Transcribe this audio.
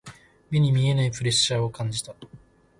目に見えないプレッシャーを感じた。